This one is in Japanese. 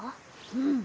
うん。